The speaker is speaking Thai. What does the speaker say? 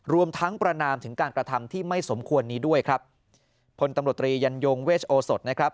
รวมทั้งประนามถึงการกระทำที่ไม่สมควรนี้ด้วยครับพลตำรวจตรียันยงเวชโอสดนะครับ